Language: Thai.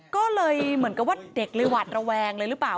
ก็เลยเหมือนกับว่าเด็กเลยหวัดระแวงเลยหรือเปล่า